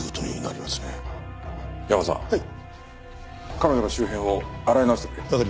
彼女の周辺を洗い直してくれ。